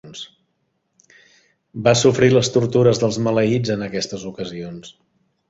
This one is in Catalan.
Va sofrir les tortures dels maleïts en aquestes ocasions.